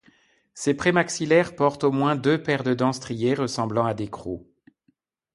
Ses prémaxillaires portent au moins deux paires de dents striées ressemblant à des crocs.